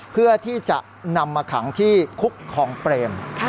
เพื่อที่จะนำมาขังที่คุกคลองเปรม